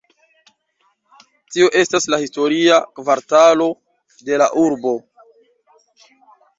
Tio estas la historia kvartalo de la urbo.